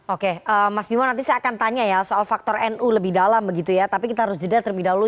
oke mas bimo nanti saya akan tanya ya soal faktor nu lebih dalam begitu ya tapi kita harus jeda terlebih dahulu